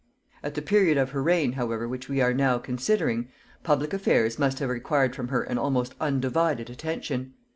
At the period of her reign however which we are now considering, public affairs must have required from her an almost undivided attention.